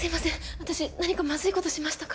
私何かまずいことしましたか？